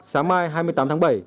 sáng mai hai mươi tám tháng bảy